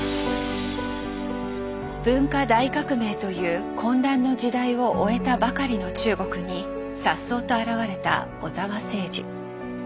文化大革命という混乱の時代を終えたばかりの中国にさっそうと現れた小澤征爾。